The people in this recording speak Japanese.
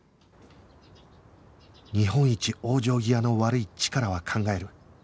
日本一往生際の悪いチカラは考える